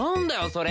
それ。